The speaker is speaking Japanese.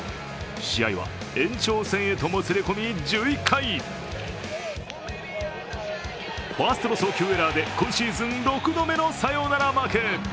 試合は延長戦へともつれ込み１１回、ファーストの送球エラーで今シーズン６度目のサヨナラ負け。